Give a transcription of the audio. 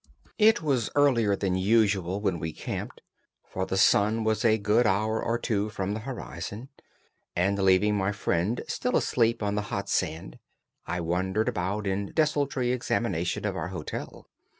It was earlier than usual when we camped, for the sun was a good hour or two from the horizon, and leaving my friend still asleep on the hot sand, I wandered about in desultory examination of our hotel.